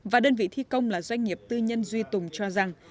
và đơn vị thi công là doanh nghiệp tư nhân duy tùng cho rằng